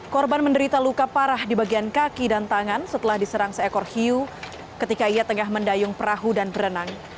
korban menderita luka parah di bagian kaki dan tangan setelah diserang seekor hiu ketika ia tengah mendayung perahu dan berenang